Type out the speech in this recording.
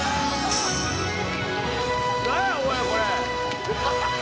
何やお前これ。